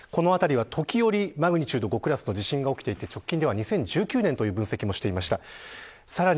この辺りは時折マグニチュード５クラスの地震が起きていて、直近では２０１９年という分析もあります。